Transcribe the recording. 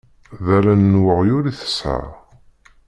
D allen n weɣyul i tesɛa.